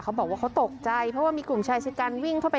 เขาตกใจเพราะว่ามีกลุ่มชายชะกันวิ่งเข้าไป